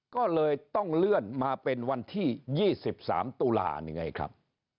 ก็เลยต้องเลื่อนมาเป็นวันที่ยี่สิบสามตุลาห์นี่ไงครับ